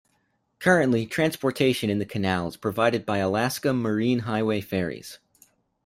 Currently, transportation in the canal is provided by Alaska Marine Highway ferries.